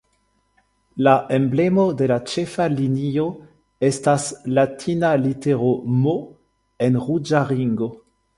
La emblemo de la ĉefa linio estas latina litero "M" en ruĝa ringo.